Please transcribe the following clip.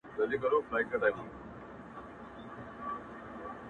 • او درد د حقيقت برخه ده,